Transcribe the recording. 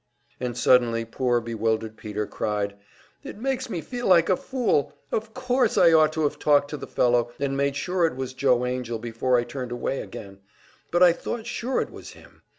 And suddenly poor bewildered Peter cried: "It makes me feel like a fool. Of course I ought to have talked to the fellow, and made sure it was Joe Angell before I turned away again; but I thought sure it was him.